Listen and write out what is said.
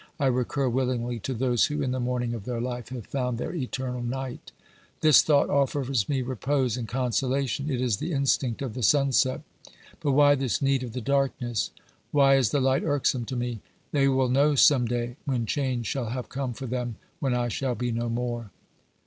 I recur willingly to those who in the morning of their life have found their eternal night ; this thought offers me repose and consolation, it is the instinct of the sunset. But why this need of the darkness ? Why is the light irksome to me ? They will know some day, when change shall have come for them, when I shall be no more.